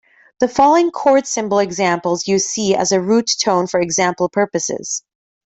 The following chord symbol examples use C as a root tone for example purposes.